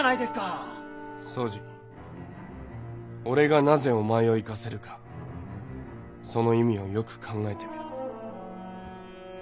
俺がなぜお前を行かせるかその意味をよく考えてみろ。